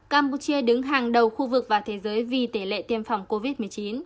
campuchia đứng hàng đầu khu vực và thế giới vì tỷ lệ tiêm phòng covid một mươi chín